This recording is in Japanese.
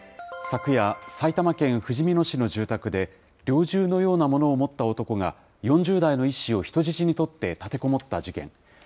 昨夜、埼玉県ふじみ野市の住宅で、猟銃のようなものを持った男が、４０代の医師を人質に取って立てこもった事件。